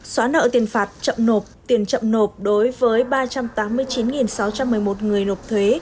xóa nợ tiền phạt chậm nộp tiền chậm nộp đối với ba trăm tám mươi chín sáu trăm một mươi một người nộp thuế